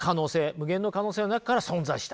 無限の可能性の中から存在した。